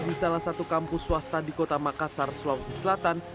di salah satu kampus swasta di kota makassar sulawesi selatan